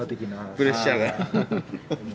プレッシャーが。